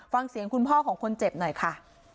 ฟังเสียงคุณพ่อของคนเจ็บหน่อยค่ะ